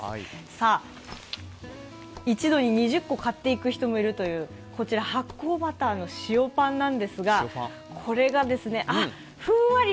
さあ、一度に２０個買っていく人もいるというこちら、発酵バターの塩パンなんですがこれが、ふんわり！